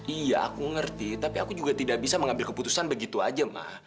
iya aku ngerti tapi aku juga tidak bisa mengambil keputusan begitu aja mah